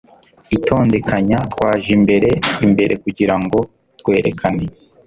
itondekanya twaje imbere imbere kugirango twerekane